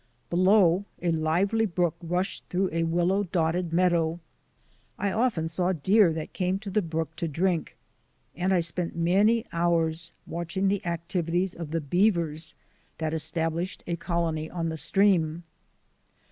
Below, a lively brook rushed through a willow dotted meadow. I often saw deer that came to the brook to drink, and I spent many hours watching the activities of the beavers that estab lished a colony on the stream.